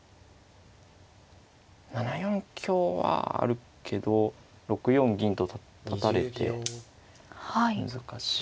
７四香はあるけど６四銀と立たれて難しい。